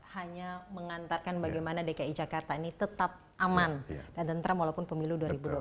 hanya mengantarkan bagaimana dki jakarta ini tetap aman dan tentram walaupun pemilu dua ribu dua puluh empat